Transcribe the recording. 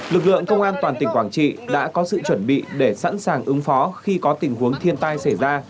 lực lượng công an toàn tỉnh quảng trị đã có sự chuẩn bị để sẵn sàng ứng phó khi có tình huống thiên tai xảy ra